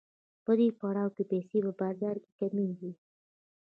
په دې پړاو کې پیسې په بازار کې کمېږي